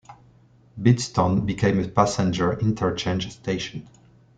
Bidston became a passenger interchange station.